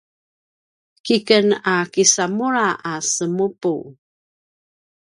kiken a kisamulja a semupu